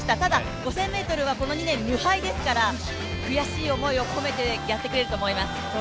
５０００ｍはこの２年無敗ですから悔しい思いを込めてやってくれると思います。